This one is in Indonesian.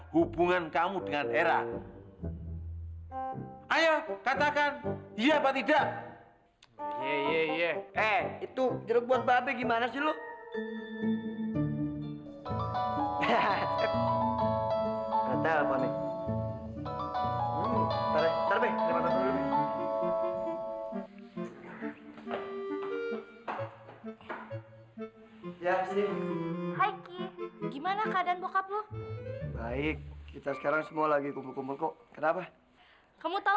hai gimana keadaan bokap lu baik kita sekarang semua lagi kumpul kumpul kok kenapa kamu tahu